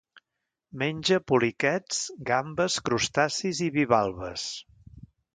Menja poliquets, gambes, crustacis i bivalves.